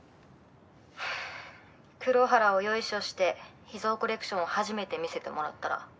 「」「黒原をヨイショして秘蔵コレクションを初めて見せてもらったら」